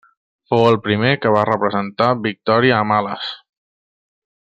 Fou el primer que va representar Victòria amb ales.